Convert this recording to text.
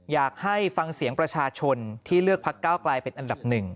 อยากให้ฟังเสียงประชาชนที่เลือกภาพเก้ากลายเป็นอันดับ๑